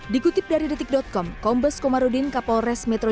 dikutip dari detik com kombes komarudin kapolres metro